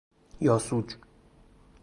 یاسوج